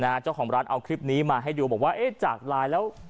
เจ้าของร้านเอาคลิปนี้มาให้ดูบอกว่าเอ๊ะจากไลน์แล้ว